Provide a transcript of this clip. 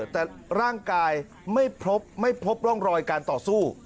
แต่ร่างกายไม่พบไม่พบร่องรอยการต่อสู้